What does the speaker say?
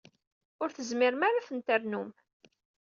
Ur tezmirem ara ad ten-ternum.